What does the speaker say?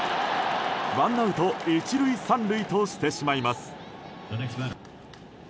ワンアウト１塁３塁としてしまいます。